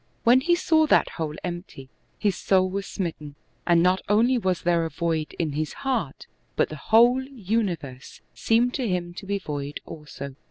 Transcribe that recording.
When he saw that hole empty, his soul was smit ten, and not only was there a void in his heart, but the whole universe seemed to him to be void also.